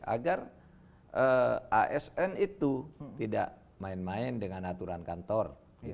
agar asn itu tidak main main dengan aturan kantor